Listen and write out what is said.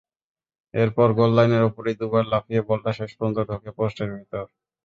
এরপর গোললাইনের ওপরই দুবার লাফিয়ে বলটা শেষ পর্যন্ত ঢোকে পোস্টের ভেতর।